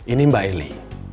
ini mbak eli